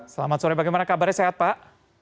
selamat sore bagaimana kabarnya sehat pak